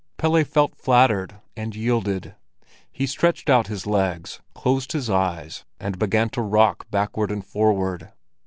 Pelle felt flattered and yielded. He stretched out his legs, closed his eyes, and began to rock backward and forward.